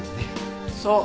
そう。